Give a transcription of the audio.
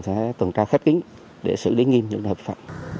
sẽ tuần tra khép kín để xử lý nghiêm những hợp phạm